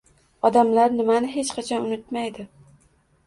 Odamlar nimani hech qachon unutmaydi?